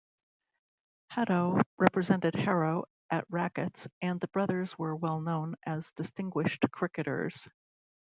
Hadow represented Harrow at rackets and the brothers were well known as distinguished cricketers.